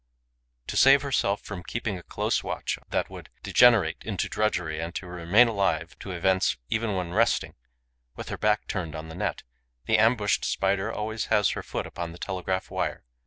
To save herself from keeping a close watch that would degenerate into drudgery and to remain alive to events even when resting, with her back turned on the net, the ambushed Spider always has her foot upon the telegraph wire.